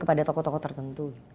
kepada tokoh tokoh tertentu